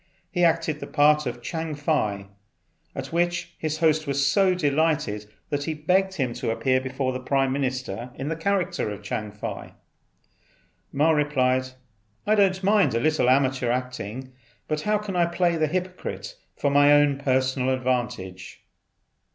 He acted the part of Chang Fei, at which his host was so delighted that he begged him to appear before the Prime Minister in the character of Chang Fei. Ma replied, "I don't mind a little amateur acting, but how can I play the hypocrite for my own personal advantage?"